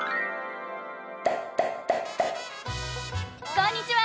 こんにちは！